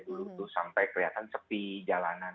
dulu tuh sampai kelihatan sepi jalanan